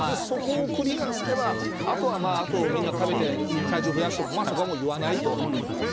そこをクリアすればあとはみんな食べて体重を増やしてもそこはもう言わないと。